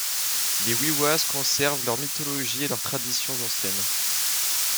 Les Wiwas conservent leur mythologie et leurs traditions anciennes.